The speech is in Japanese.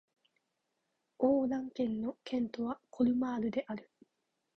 オー＝ラン県の県都はコルマールである